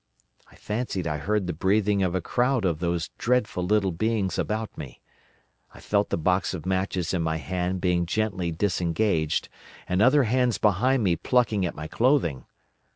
I fancied I heard the breathing of a crowd of those dreadful little beings about me. I felt the box of matches in my hand being gently disengaged, and other hands behind me plucking at my clothing.